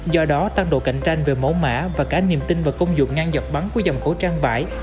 do đó tăng độ cạnh tranh về mẫu mã và cả niềm tin và công dụng ngăn dọc bắn của dòng khẩu trang vải